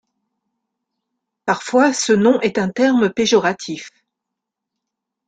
Parfois, ce nom est un terme péjoratif.